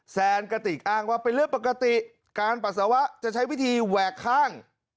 แซนกระติกอ้างว่าเป็นเรื่องปกติการปัสสาวะจะใช้วิธีแหวกข้าง